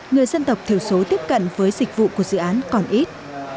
người dân tộc thiểu số tiếp cận với dịch vụ của dự án còn ít